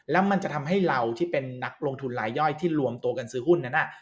แล้วมันจะทำให้เราที่เป็นนักลงทุนลายย่อยที่รวมตัวกันซื้อหุ้นนั้น